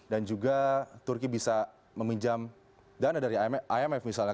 dan juga turki bisa meminjam dana dari imf misalnya